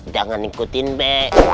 jangan ikutin mbak